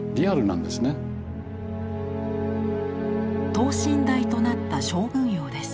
等身大となった将軍俑です。